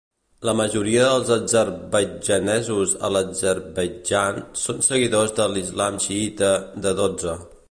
La majoria dels azerbaidjanesos a l'Azerbaidjan són seguidors de l'islam xiïta de Dotze.